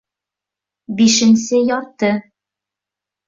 Бишенсе ярты